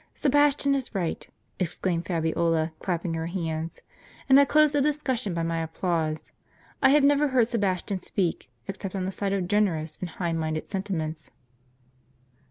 "Sebastian is right," exclaimed Fabiola, clapping her hands, "and I close the discussion by my applause. I have never heard Sebastian speak, except on the side of generous and high minded sentiments."